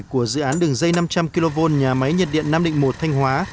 của dự án đường dây năm trăm linh kv nhà máy nhiệt điện nam định một thanh hóa